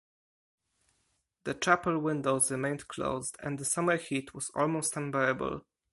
The chapel windows remained closed and the summer heat was almost unbearable.